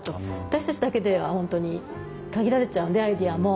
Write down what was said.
私たちだけでは本当に限られちゃうんでアイデアも。